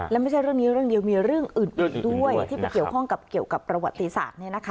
และไม่ใช่เรื่องนี้มีเรื่องอื่นอีกด้วยที่เป็นเกี่ยวข้องกับประวัติศาสตร์เนี่ยนะคะ